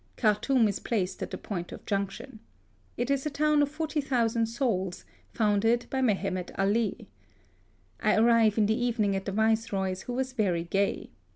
Khartoum is placed at the • point of junction. It is a town of 40,000 souls, founded by Mehemet Ali. I arrive in the evening at the Viceroy's, who was very gay.